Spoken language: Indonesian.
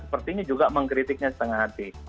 sepertinya juga mengkritiknya setengah hati